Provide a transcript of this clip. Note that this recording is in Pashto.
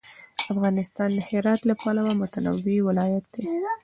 افغانستان د هرات له پلوه متنوع ولایت دی.